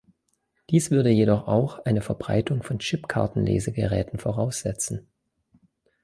Dies würde jedoch auch eine Verbreitung von Chipkarten-Lesegeräten voraussetzen.